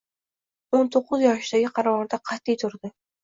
O'n to'qqiz yoshidagi qarorida qat'iy turdi